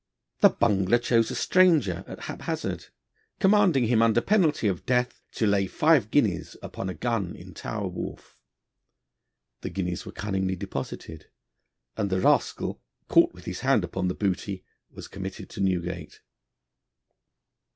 The bungler chose a stranger at haphazard, commanding him, under penalty of death, to lay five guineas upon a gun in Tower Wharf; the guineas were cunningly deposited, and the rascal, caught with his hand upon the booty, was committed to Newgate.